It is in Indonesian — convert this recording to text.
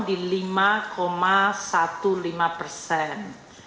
di lima lima belas persen